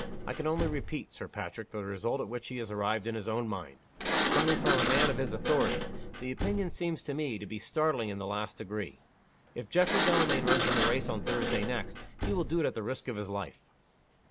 I can only repeat, Sir Patrick, the result at which he has arrived in his own mind. Coming from a man of his authority, the opinion seems to me to be startling in the last degree. If Geoffrey Delamayn runs in the race on Thursday next, he will do it at the risk of his life."